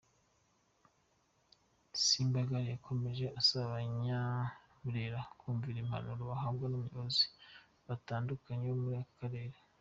Sembagare yakomeje asaba Abanyaburera kumvira impanuro bahabwa n’abayobozi batandukanye bo muri ako karere.